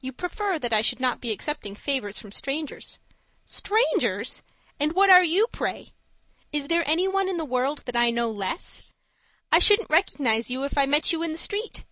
You prefer that I should not be accepting favours from strangers. Strangers! And what are you, pray? Is there anyone in the world that I know less? I shouldn't recognize you if I met you in the street.